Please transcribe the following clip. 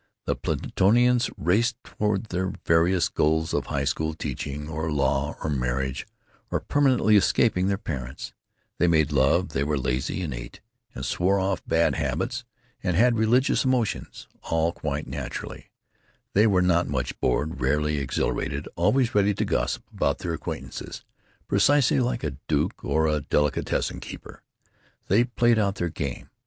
The Platonians raced toward their various goals of high school teaching, or law, or marriage, or permanently escaping their parents; they made love, and were lazy, and ate, and swore off bad habits, and had religious emotions, all quite naturally; they were not much bored, rarely exhilarated, always ready to gossip about their acquaintances; precisely like a duke or a delicatessen keeper. They played out their game.